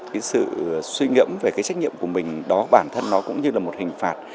cái sự suy ngẫm về cái trách nhiệm của mình đó bản thân nó cũng như là một hình phạt